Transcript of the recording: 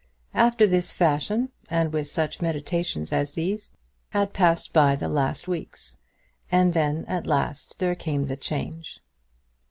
After this fashion, and with such meditations as these, had passed by the last weeks; and then at last there came the change.